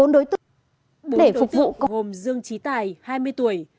bốn đối tượng gồm dương trí tài hai mươi tuổi